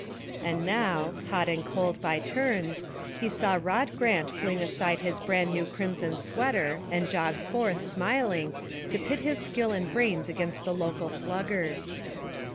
And now, hot and cold by turns, he saw Rod Grant fling aside his brand new crimson sweater and jog forth, smiling, to pit his skill and brains against the local sluggers.